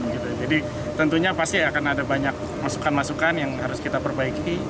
jadi tentunya pasti akan ada banyak masukan masukan yang harus kita perbaiki